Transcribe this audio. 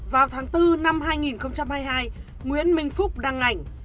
vào tháng bốn năm hai nghìn hai mươi hai nguyễn minh phúc đăng ảnh